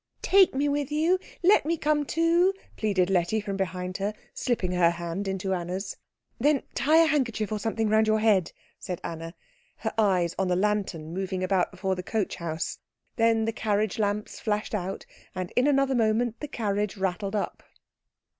"Take me with you let me come too," pleaded Letty from behind her, slipping her hand into Anna's. "Then tie a handkerchief or something round your head," said Anna, her eyes on the lantern moving about before the coach house. Then the carriage lamps flashed out, and in another moment the carriage rattled up.